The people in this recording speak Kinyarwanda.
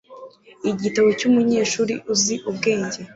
Igitabo cy'umunyeshuri uzi ubwenge